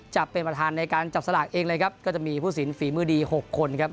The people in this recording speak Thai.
จะเป็นประธานในการจับสลากเองเลยครับก็จะมีผู้สินฝีมือดีหกคนครับ